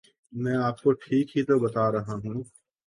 میں آپ کو ٹھیک ہی تو بتارہا ہوں